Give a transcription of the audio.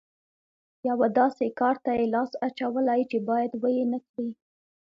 یوه داسې کار ته یې لاس اچولی چې بايد ويې نه کړي.